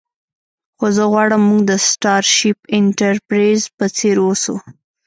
خو زه غواړم موږ د سټارشیپ انټرپریز په څیر اوسو